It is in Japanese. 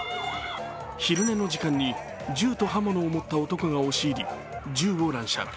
昼寝の時間に銃と刃物を持った男が押し入り、銃を乱射。